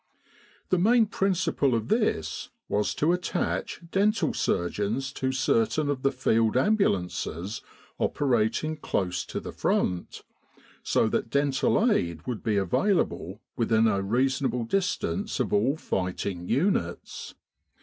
The main principle of this was to attach dental surgeons to certain of the Field Ambulances operating close to the Front, so that dental aid would be available within a reasonable distance of all fighting units.